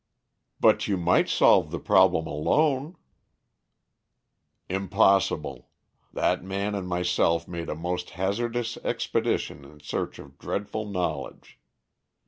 "But you might solve the problem alone." "Impossible. That man and myself made a most hazardous expedition in search of dreadful knowledge.